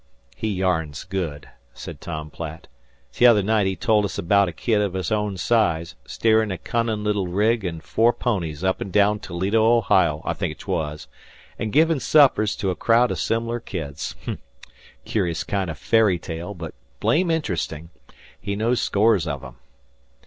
"He yarns good," said Tom Platt. "T'other night he told us abaout a kid of his own size steerin' a cunnin' little rig an' four ponies up an' down Toledo, Ohio, I think 'twas, an' givin' suppers to a crowd o' sim'lar kids. Cur'us kind o' fairy tale, but blame interestin'. He knows scores of 'em."